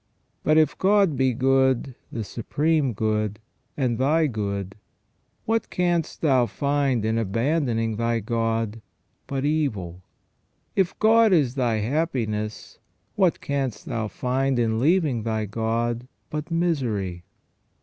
But if God be good, the supreme good, and thy good, what canst thou find in abandoning thy God but evil ? If God is thy happiness, what canst thou find in leaving thy God but misery